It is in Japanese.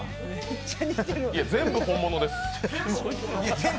全部本物です。